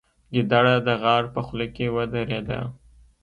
ګیدړه د غار په خوله کې ودرېده.